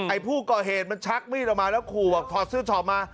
ผู้ก่อเหตุมันชักมีดออกมาแล้วขู่บอกถอดเสื้อช็อปมา